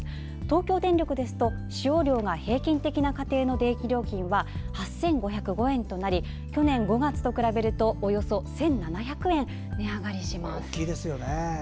東京電力ですと使用量が平均的な家庭の電気料金は８５０５円となり去年５月と比べるとおよそ１７００円値上がりします。